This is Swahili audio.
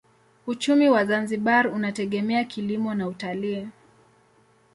Uchumi wa Zanzibar unategemea kilimo na utalii.